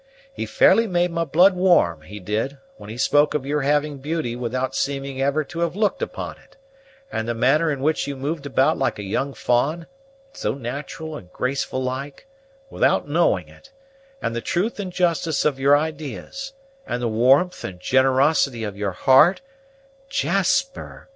He fairly made my blood warm, he did, when he spoke of your having beauty without seeming ever to have looked upon it, and the manner in which you moved about like a young fa'n, so nat'ral and graceful like, without knowing it; and the truth and justice of your idees, and the warmth and generosity of your heart " "Jasper!"